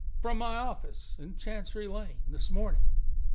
"From my office, in Chancery Lane, this morning.